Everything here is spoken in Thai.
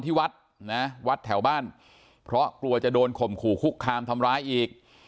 ที่วัดนะวัดแถวบ้านเพราะกลัวจะโดนข่มขู่คุกคามทำร้ายอีก